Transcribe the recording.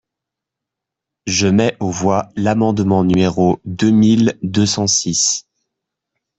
Je mets aux voix l’amendement numéro deux mille deux cent six.